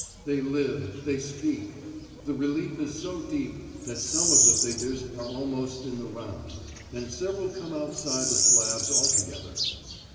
They live, they speak! The relief is so deep, that some of the figures are almost in the round, and several come outside the slabs altogether.